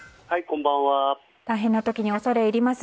大変な時に恐れ入ります。